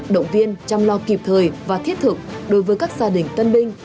động viên chăm lo kịp thời và thiết thực đối với các gia đình tân binh